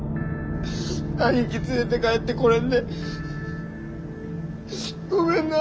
兄貴連れて帰ってこれんでごめんな。